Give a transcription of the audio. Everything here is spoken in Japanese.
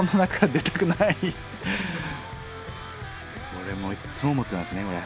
俺もいっつも思ってますねこれ。